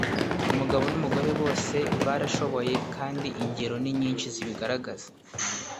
umugabo n’umugore bose barashoboye kandi ingero ni nyinshi zibigaragaza